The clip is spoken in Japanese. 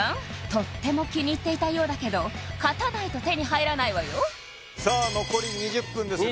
とっても気に入っていたようだけど勝たないと手に入らないわよさあ残り２０分です